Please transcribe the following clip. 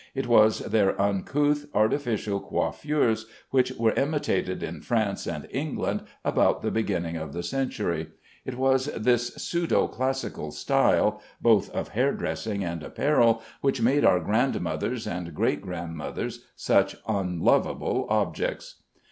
It was their uncouth artificial coiffures which were imitated in France and England about the beginning of the century. It was this pseudo classical style both of hair dressing and apparel which made our grandmothers and great grandmothers such unlovable objects.